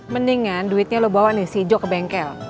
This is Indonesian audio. mendingan duitnya lo bawa nih si jok ke bengkel